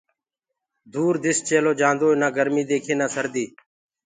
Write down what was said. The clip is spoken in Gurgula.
دور دِس چيلو جآندوئي نآ گرميٚ ديکي نآ سرديٚ